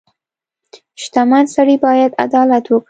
• شتمن سړی باید عدالت وکړي.